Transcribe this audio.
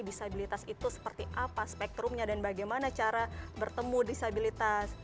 disabilitas itu seperti apa spektrumnya dan bagaimana cara bertemu disabilitas